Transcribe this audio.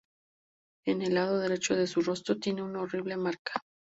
En el lado derecho de su rostro tiene una horrible marca.